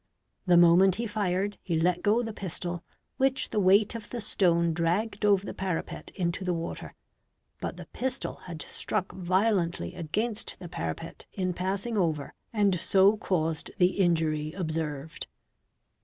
The moment he fired he let go the pistol, which the weight of the stone dragged over the parapet into the water, but the pistol had struck. GUN SHOT WOUNDS 633 violently against the parapet in passing over and so caused the injury observed.